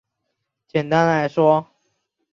简单来说